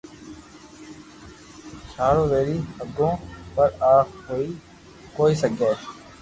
ھارو ويري ھگو پر آ ھوئي ڪوئي سگي